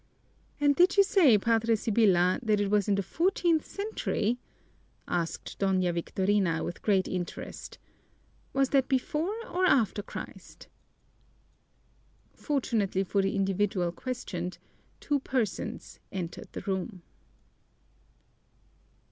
"And did you say, Padre Sibyla, that it was in the fourteenth century?" asked Doña Victorina with great interest. "Was that before or after Christ?" Fortunately for the individual questioned, two persons entered the room.